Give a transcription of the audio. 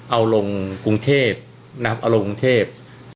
เอาลงกรุงเทพนับเอาลงกรุงเทพ